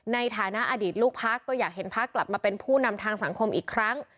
ในฐานะอดีตลูกพักก็อยากเห็นพักกลับมาเป็นผู้นำทางสังคมอีกครั้ง